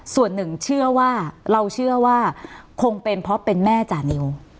ส่วนหนึ่งเชื่อว่าเราเชื่อว่าคงเป็นเพราะเป็นแม่จานิว